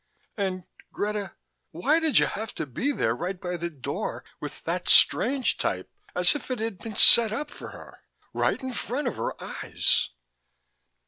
"And Greta, why did you have to be there, right by the door, with that strange type as if it had been set up for her? Right in front of her eyes...."